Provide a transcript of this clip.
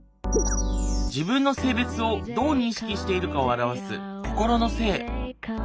自分の性別をどう認識しているかを表す心の性。